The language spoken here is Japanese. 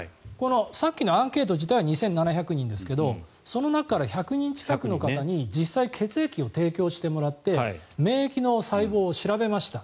さっきのアンケート自体は２７００人ですがその中から１００人近くの方に実際に血液を提供してもらって免疫の細胞を調べました。